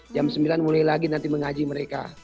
jam sembilan mulai lagi nanti mengaji mereka